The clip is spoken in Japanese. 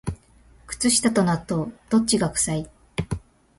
靴下と納豆、どっちが臭い？